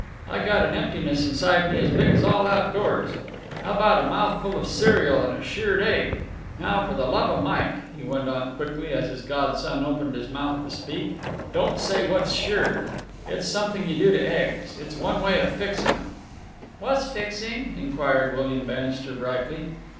I got an emptiness inside me as big as all outdoors. How about a mouthful of cereal and a shirred egg? Now, for the love of Mike," he went on quickly, as his godson opened his mouth to speak, "don't say 'What's shirred?' It's something you do to eggs. It's one way of fixing 'em." "What's fixing?" inquired William Bannister brightly.